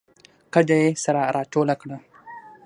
کډه یې سره راټوله کړه